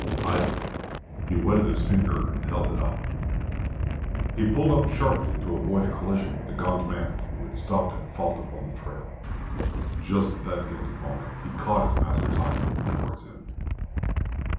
Idly he wetted his finger, and held it up. He pulled up sharply to avoid a collision with the gaunt man, who had stopped at fault upon the trail. Just at that guilty moment he caught his master's eye looking towards him.